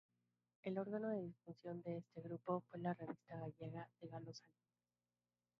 El órgano de difusión de este grupo fue la "Revista Gallega", de Galo Salinas.